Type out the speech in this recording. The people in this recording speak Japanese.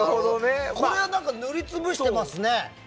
これは塗り潰してますね。